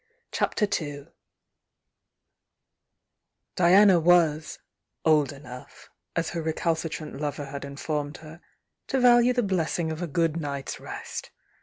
CHAPTER II Diana was "old enough," as her recalcitrant lover had informed her, to value the blessing of a good night's rest.